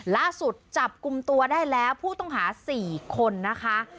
ล่าสุดจับกลุ่มตัวได้แล้วผู้ต้องหา๔คนนะคะ